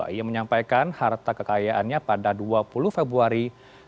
ia menyampaikan harta kekayaannya pada dua puluh februari dua ribu dua puluh